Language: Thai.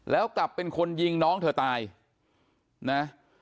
แล้วกลับเป็นคนยิงน้องเธอตายนะ